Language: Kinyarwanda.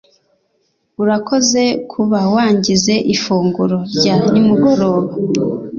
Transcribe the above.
urakoze kuba wangize ifunguro rya nimugoroba